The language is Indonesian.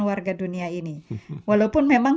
warga dunia ini walaupun memang